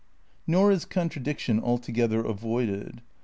Nor is contradiction altogether avoided.